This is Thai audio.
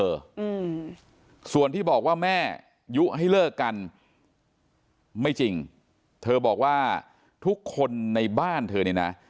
อืมส่วนที่บอกว่าแม่ยุให้เลิกกันไม่จริงเธอบอกว่าทุกคนในบ้านเธอเนี่ยนะ